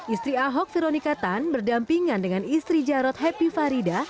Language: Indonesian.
istri ahok veronika tan berdampingan dengan istri jarod happy farida